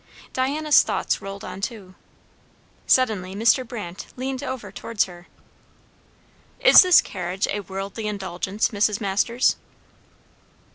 Diana's thoughts rolled on too. Suddenly Mr. Brandt leaned over towards her. "Is this carriage a 'worldly' indulgence, Mrs. Masters?"